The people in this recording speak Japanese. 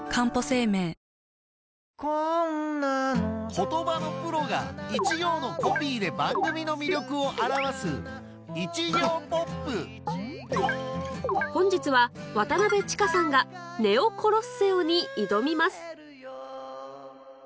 言葉のプロが一行のコピーで番組の魅力を表す本日は渡千佳さんが『ネオコロッセオ』に挑みます